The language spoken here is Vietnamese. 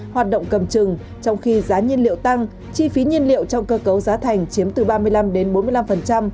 hoạt động cầm trừng trong khi giá nhiên liệu tăng chi phí nhiên liệu trong cơ cấu giá thành chiếm